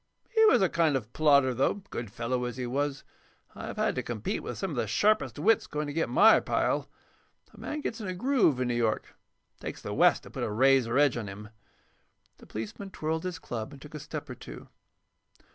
He was a kind of plodder, though, good fellow as he was. I've had to compete with some of the sharpest wits going to get my pile. A man gets in a groove in New York. It takes the West to put a razor edge on him." The policeman twirled his club and took a step or two.